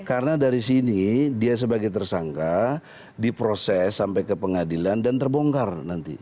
karena dari sini dia sebagai tersanggah diproses sampai ke pengadilan dan terbongkar nanti